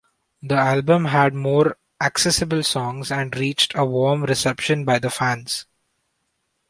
The album had more-accessible songs, and reached a warm reception by the fans.